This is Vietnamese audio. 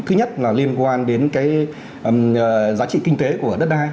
thứ nhất là liên quan đến cái giá trị kinh tế của đất đai